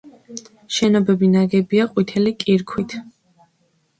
შენობები ნაგებია ყვითელი კირქვით.